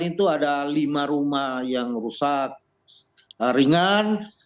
pertama di donggala itu ada lima rumah yang rusak ringan